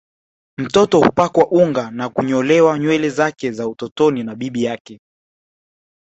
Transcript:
Mtoto hupakwa unga na kunyolewa nywele zake za utotoni na bibi yake